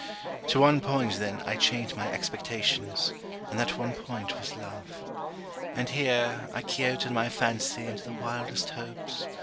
To one point, then, I chained my expectations; and that one point was love. And here, I quixoted my fancy into the wildest hopes.